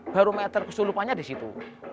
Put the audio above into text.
barometer kesurupannya disitu